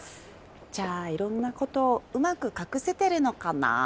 じゃあ色んなことうまく隠せてるのかな？